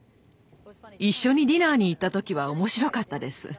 一緒にディナーに行った時は面白かったです。